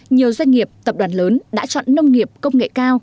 nhiều doanh nghiệp tập đoàn lớn đã chọn nông nghiệp công nghệ cao